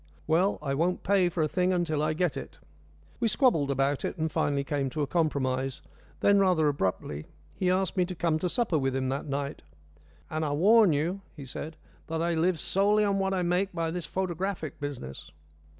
"Well, I won't pay for a thing until I get it." We squabbled about it, and finally came to a compromise. Then rather abruptly he asked me to come to supper with him that night. "And I warn you," he said, "that I live solely on what I make by this photographic business."